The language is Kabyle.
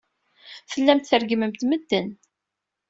Tellamt treggmemt medden.